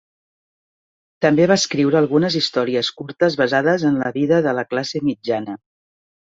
També va escriure algunes històries curtes basades en la vida de la classe mitjana.